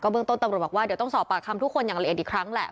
เบื้องต้นตำรวจบอกว่าเดี๋ยวต้องสอบปากคำทุกคนอย่างละเอียดอีกครั้งแหละ